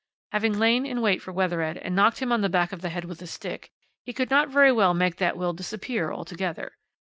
Having lain in wait for Wethered and knocked him on the back of the head with a stick, he could not very well make that will disappear altogether.